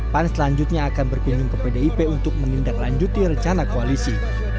pan selanjutnya akan berkunjung ke pdip untuk menindaklanjuti rencana koalisi